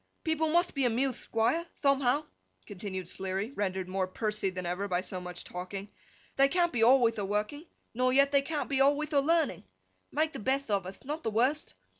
People mutht be amuthed, Thquire, thomehow,' continued Sleary, rendered more pursy than ever, by so much talking; 'they can't be alwayth a working, nor yet they can't be alwayth a learning. Make the betht of uth; not the wurtht.